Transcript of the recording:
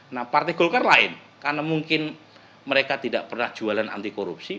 nah partai golkar lain karena mungkin mereka tidak pernah jualan anti korupsi